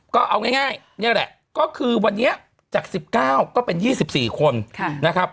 ก็เอาง่ายนี่แหละก็คือวันนี้จาก๑๙ก็เป็น๒๔คนนะครับ